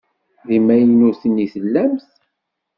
D timaynutin i tellamt?